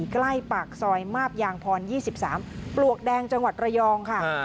ใกล้ปากซอยมาบยางพร๒๓ปลวกแดงจังหวัดระยองค่ะ